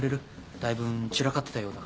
だいぶん散らかってたようだから。